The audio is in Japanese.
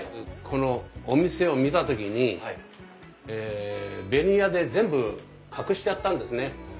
このお店を見た時にベニヤで全部隠してあったんですね。